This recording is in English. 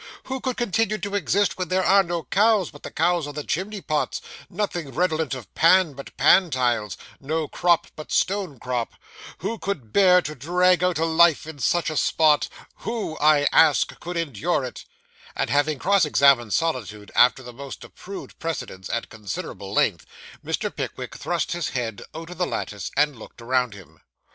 Who could continue to exist where there are no cows but the cows on the chimney pots; nothing redolent of Pan but pan tiles; no crop but stone crop? Who could bear to drag out a life in such a spot? Who, I ask, could endure it?' and, having cross examined solitude after the most approved precedents, at considerable length, Mr. Pickwick thrust his head out of the lattice and looked around him.